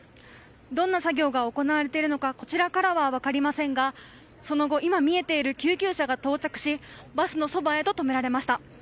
どんな作業が行われているのかこちらからは分かりませんがその後、今見えている救急車が到着しバスのそばへと止められました。